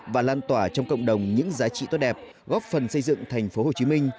và lan tỏa trong cộng đồng những giá trị tốt đẹp góp phần xây dựng thành phố hồ chí minh